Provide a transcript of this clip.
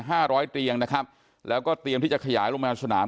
ร้อยเตียงนะครับแล้วก็เตรียมที่จะขยายโรงพยาบาลสนาม